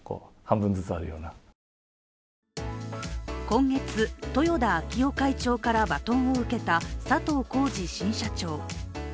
今月、豊田章男会長からバトンを受けた佐藤恒治新社長。